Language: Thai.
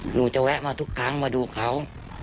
หนูจะแวะมาทุกครั้งมาดูเขา